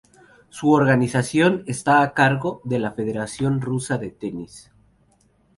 Su organización está a cargo de la Federación Rusa de Tenis.